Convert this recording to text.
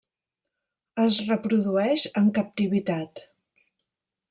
Es reprodueix en captivitat.